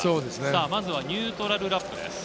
まずはニュートラルラップです。